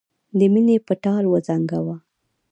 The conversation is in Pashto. د مینې په ټال وزنګاوه.